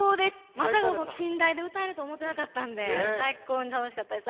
まさか近大で歌えると思ってなかったんで最高に楽しかったです。